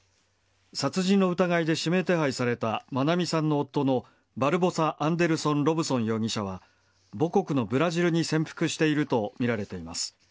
殺人の疑いで指名手配された愛美さんの夫のバルボサ・アンデルソン・ロブソン容疑者は母国のブラジルに潜伏しているとみられています。